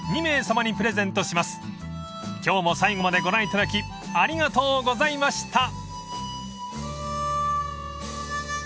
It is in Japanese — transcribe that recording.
［今日も最後までご覧いただきありがとうございました］